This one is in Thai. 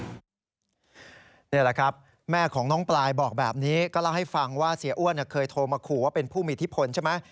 นี่แหละครับแม่ของน้องปลายบอกแบบนี้ก็เล่าให้ฟังว่าเสียอ้วนเคยโทรมาขู่ว่าเป็นผู้มีอิทธิพลใช่ไหม